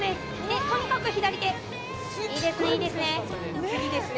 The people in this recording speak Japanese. とにかく左手いいですね